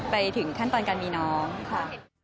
ไปถึงขั้นตอนการมีน้องค่ะ